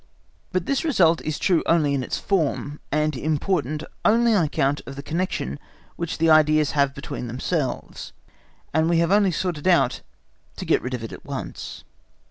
But this result is true only in its form, and important only on account of the connection which the ideas have between themselves, and we have only sought it out to get rid of it at once.